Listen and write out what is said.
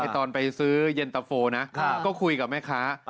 ตอนไปซื้อเย็นตะโฟนะก็คุยกับแม่ค้า